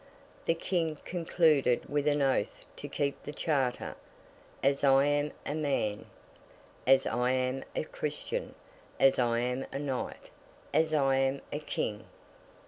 The King concluded with an oath to keep the Charter, 'As I am a man, as I am a Christian, as I am a Knight, as I am a King!